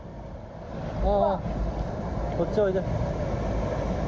ああ、こっちおいで。